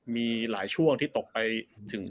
มีหลายช่วงที่ตกไปถึง